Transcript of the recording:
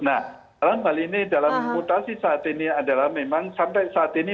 nah dalam hal ini dalam mutasi saat ini adalah memang sampai saat ini